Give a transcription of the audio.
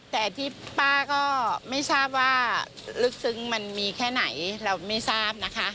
แต่ที่ป้าก็ไม่ทราบว่าลึกซึ้งมันมีแค่ไหนเราไม่ทราบนะคะ